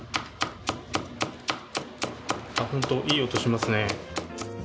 本当いい音しますね。